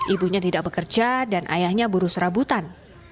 ibunya tidak bekerja dan ayahnya buru serabutan